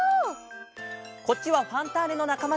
こっちは「ファンターネ！」のなかまたち。